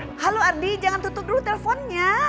halo ardi jangan tutup dulu telponnya